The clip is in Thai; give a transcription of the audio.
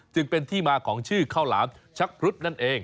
จึงเป็นที่มาของชื่อข้าวหลามชักพรุษนั่นเอง